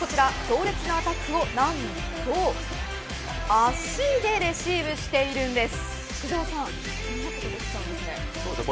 こちら、強烈なアタックをなんと足でレシーブしているんです。